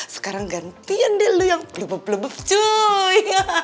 sekarang gantian deh lo yang blubub blubub cuy